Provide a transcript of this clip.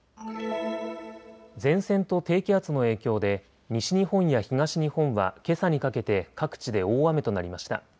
前線と低気圧の影響で西日本や東日本はけさにかけて各地で大雨となりました。